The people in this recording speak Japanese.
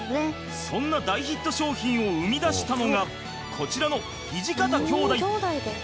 そんな大ヒット商品を生み出したのがこちらの土方兄弟。